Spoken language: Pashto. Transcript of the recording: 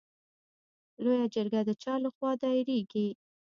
لویه جرګه د چا له خوا دایریږي؟